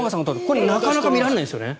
これ、なかなか見られないですよね。